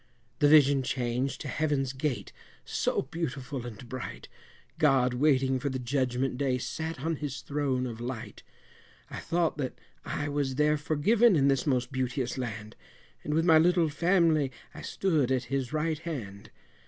The vision changed to Heaven's gate, so beautiful and bright, God waiting for the Judgment Day sat on his Throne of Light; I thought that I was there forgiven in this most beauteous land, And with my little family I stood at His right hand.